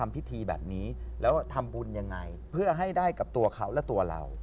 เพื่อให้ได้กับตัวเขาและตัวเรา